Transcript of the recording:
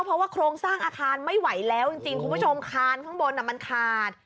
เพราะว่าโครงสร้างอาคารไม่ไหวแล้วจริงคุณผู้ชมคานข้างบนมันขาด